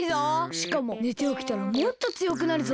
しかも寝ておきたらもっとつよくなるぞ！